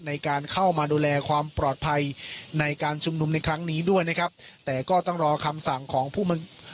ในการเข้ามาดูแลความปลอดภัยในการชุมนุมในครั้งนี้ด้วยนะครับแต่ก็ต้องรอคำสั่งของผู้มัน